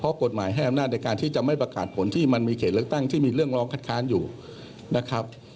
เพราะกฎหมายให้อำนาจในการที่จะไม่ประกาศผลที่มันมีเขตเลือกตั้งที่มีเรื่องร้องคัดค้านอยู่นะครับ